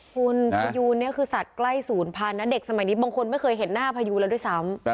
คุณพยูนเนี่ยคือสัตว์ใกล้ศูนย์พันธุ์นะเด็กสมัยนี้บางคนไม่เคยเห็นหน้าพยูนแล้วด้วยซ้ำ